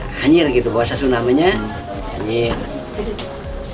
biasanya sekitar sepuluh jam jadi kita harus menangkapnya dengan banyak air